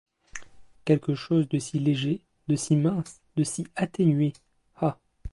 Quelque chose de si léger, de si mince, de si atténué..ha!